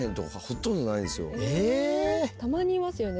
たまにいますよね